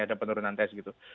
ada penurunan test gitu